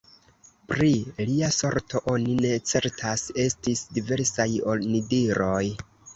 Pri lia sorto oni ne certas: estis diversaj onidiroj.